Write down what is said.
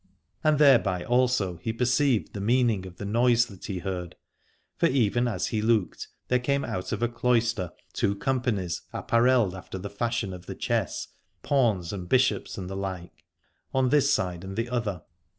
And thereby also he perceived the meaning of the noise that he heard: for even as he looked there came out of a cloister two companies apparelled after the fashion of the chess, as it were pawns and bishops and the like, on this side and on the other.